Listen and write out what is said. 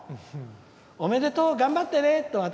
おめでとう、頑張ってねと私。